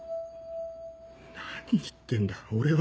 何言ってんだ俺は。